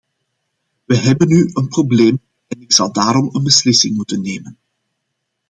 We hebben nu een probleem en ik zal daarom een beslissing moeten nemen.